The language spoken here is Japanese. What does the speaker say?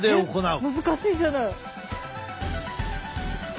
えっ難しいじゃない！